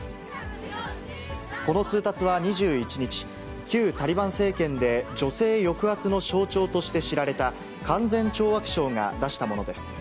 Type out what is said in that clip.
この通達は２１日、旧タリバン政権で女性抑圧の象徴として知られた勧善懲悪省が出したものです。